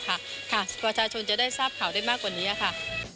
ประชาชนจะได้ทราบข่าวได้มากกว่านี้ค่ะ